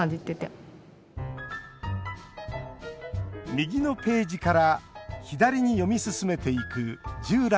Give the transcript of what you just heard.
右のページから左に読み進めていく従来の漫画。